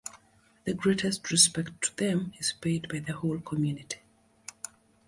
The greatest respect to them is paid by the whole community.